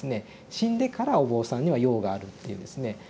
「死んでからお坊さんには用がある」っていうですね